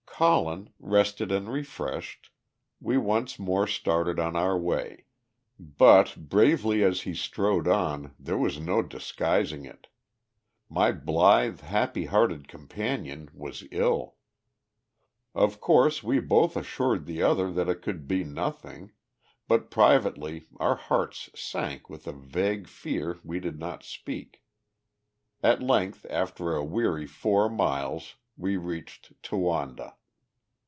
Colin, rested and refreshed, we once more started on our way, but, bravely as he strode on, there was no disguising it my blithe, happy hearted companion was ill. Of course we both assured the other that it could be nothing, but privately our hearts sank with a vague fear we did not speak. At length, after a weary four miles, we reached Towanda.